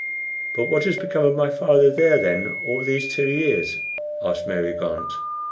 "But what has become of my father there, then, all these two years?" asked Mary Grant.